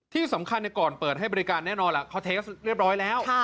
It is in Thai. ที่สำคัญก่อนเปิดให้บริการแน่นอนล่ะเขาเทสเรียบร้อยแล้ว